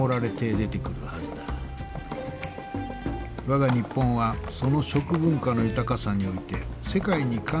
我が日本はその食文化の豊かさにおいて世界に冠たる大国であった。